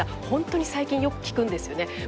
本当に最近よく聞くんですよね。